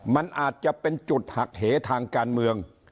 มันอาจจะเป็นจุดหักเหทางการเมือง